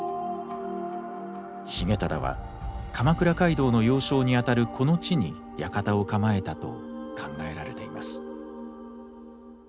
重忠は鎌倉街道の要衝にあたるこの地に館を構えたと考えられています。